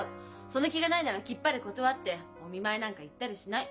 その気がないならきっぱり断ってお見舞いなんか行ったりしない。